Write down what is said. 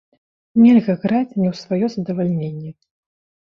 Нельга граць не ў сваё задавальненне!